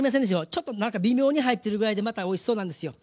ちょっと何か微妙に入ってるぐらいでまたおいしそうなんですよ。